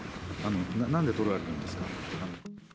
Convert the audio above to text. なんで撮られてるんですか。